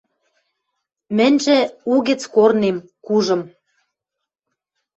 Мӹньжӹ угӹц корнем, кужым